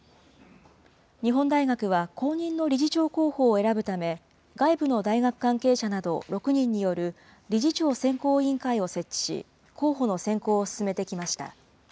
日本大学は後任の理事長候補を選ぶため、外部の大学関係者など６人による理事長選考委員会を設置し、候補の選考を進めてきました。